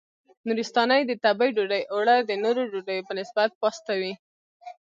نورستانۍ د تبۍ ډوډۍ اوړه د نورو ډوډیو په نسبت پاسته وي.